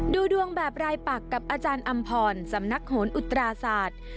ดูดวงแบบรายปักกับอาจารย์อำพรสำนักโหนอุตราศาสตร์